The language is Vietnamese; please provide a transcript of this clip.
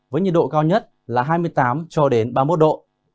với nhiệt độ cao nhất là hai mươi tám cho đến ba mươi một độ